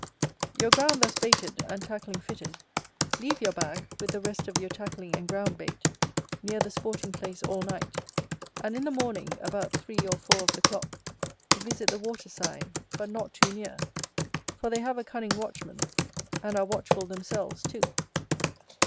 Your ground thus baited, and tackling fitted, leave your bag, with the rest of your tackling and ground bait, near the sporting place all night; and in the morning, about three or four of the clock, visit the water side, but not too near, for they have a cunning watchman, and are watchful themselves too.